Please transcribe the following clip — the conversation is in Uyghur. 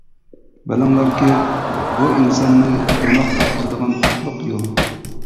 بىلىڭلاركى، بۇ ئىنساننى روناق تاپقۇزىدىغان قۇتلۇق يول.